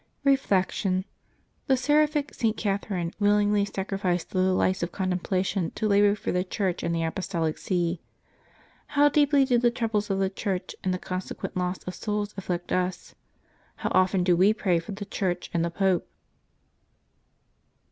Reflection. — The seraphic St. Catherine willingly sacri ficed the delights of contemplation to labor for the Church and the Apostolic See. How deeply do the troubles of the Church and the consequent loss of souls afflict us? How often do we pray for the Church and the Pope